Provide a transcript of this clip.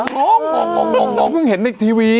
ว้าวงงเหมือนเห็นในทีวี